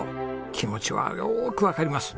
気持ちはよーくわかります。